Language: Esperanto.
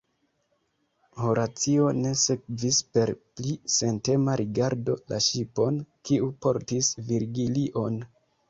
Horacio ne sekvis per pli sentema rigardo la ŝipon, kiu portis Virgilion.